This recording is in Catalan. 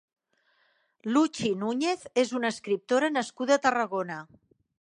Luchy Núñez és una escriptora nascuda a Tarragona.